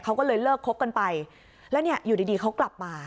เขาก็เลยเลิกคบกันไปแล้วเนี่ยอยู่ดีเขากลับมา